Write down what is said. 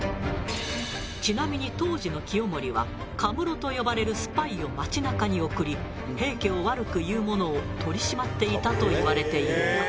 ちなみに当時の清盛は禿と呼ばれるスパイを街なかに送り平家を悪く言う者を取り締まっていたといわれているが。